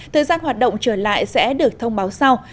thời gian hoạt động trở lại sẽ được thông báo sau